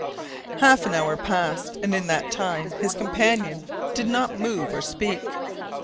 Half an hour passed, and in that time his companion did not move or speak.